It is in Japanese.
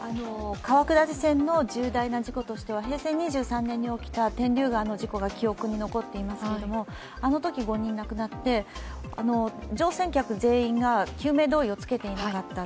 川下り船の重大な事故としては平成２３年に起きた天竜川の事故が記憶に残っていますけれどもあのとき５人亡くなって、乗船客全員が救命胴衣を着けていなかった。